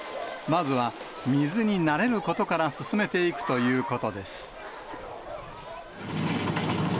まずは水に慣れることから進めていくということです。